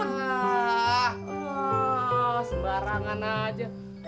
ah sembarangan aja